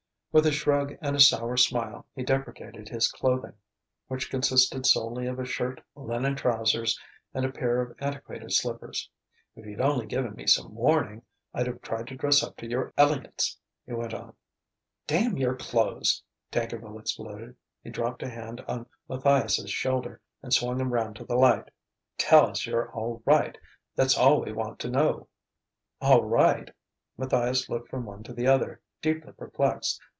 With a shrug and a sour smile he deprecated his clothing, which consisted solely of a shirt, linen trousers, and a pair of antiquated slippers. "If you'd only given me some warning, I'd've tried to dress up to your elegance," he went on. "Damn your clothes!" Tankerville exploded. He dropped a hand on Matthias's shoulder and swung him round to the light. "Tell us you're all right that's all we want to know!" "All right?" Matthias looked from one to the other, deeply perplexed.